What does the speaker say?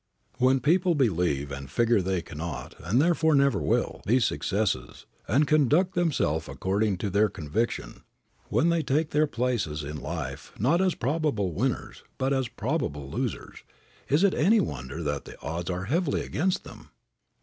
When people believe and figure that they cannot, and therefore never will, be successes, and conduct themselves according to their conviction: when they take their places in life not as probable winners, but as probable losers, is it any wonder that the odds are heavily against them?